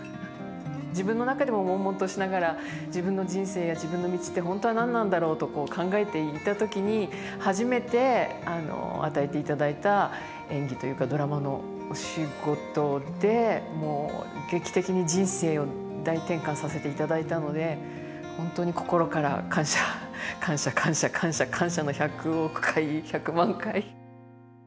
自分の中でももんもんとしながら自分の人生や自分の道って本当は何なんだろうと考えていた時に初めて与えていただいた演技というかドラマのお仕事でもう劇的に人生を大転換させていただいたので本当に心から感謝感謝感謝感謝感謝の１００億回１００万回。